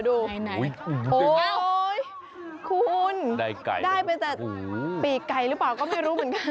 โอ้โหคุณได้ไก่ได้ไปแต่ปีกไก่หรือเปล่าก็ไม่รู้เหมือนกัน